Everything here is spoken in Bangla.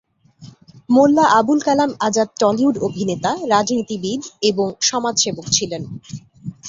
মোল্লা আবুল কালাম আজাদ টলিউড অভিনেতা, রাজনীতিবিদ এবং সমাজসেবক ছিলেন।